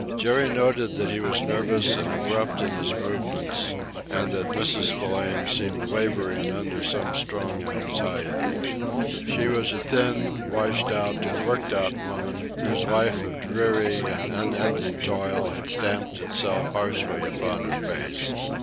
Jerry noted that he was nervous and abrupt in his movements, and that Mrs. Spillane seemed laboring under some strong anxiety. She was a thin, washed out, worked out woman, whose life of dreary and unending toil had stamped itself harshly upon her face.